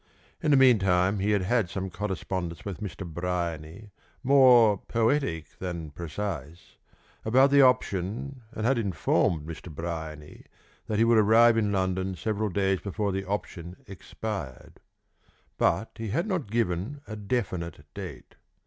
In the meantime he had had some correspondence with Mr. Bryany, more poetic than precise, about the option, and had informed Mr. Bryany that he would arrive in London several days before the option expired. But he had not given a definite date.